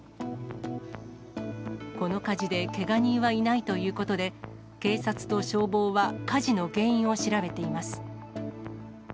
この火事でけが人はいないということで、警察と消防は火事の原因を調べています。